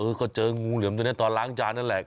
ก็เจองูเหลือมตัวนี้ตอนล้างจานนั่นแหละ